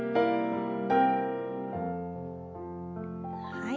はい。